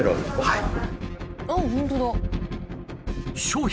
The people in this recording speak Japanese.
はい。